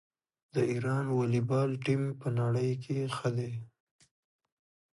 د ایران والیبال ټیم په نړۍ کې ښه دی.